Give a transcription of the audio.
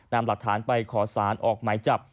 นำหลักฐานไปขอสารออกหมายจับ